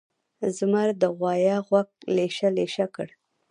زمر د غوایه غوږه لېشه لېشه کړه.